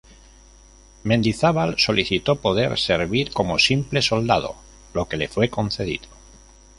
Mendizábal solicitó poder servir como simple soldado, lo que le fue concedido.